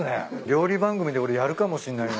料理番組で俺やるかもしんない。